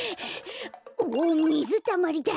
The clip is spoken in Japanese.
おっみずたまりだ！